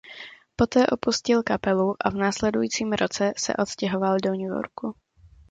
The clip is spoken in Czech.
Poté opustil kapelu a v následujícím roce se odstěhoval do New Yorku.